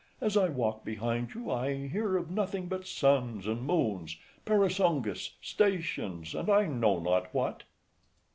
As I walk behind you, I hear of nothing but suns and moons, parasangas, stations, and I know not what.